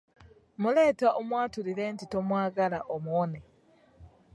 Muleeta omwatulire nti tomwagala omuwone?